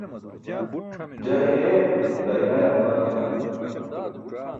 jaa hin eeyan daa hin ayan baan